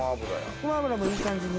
ごま油もいい感じに。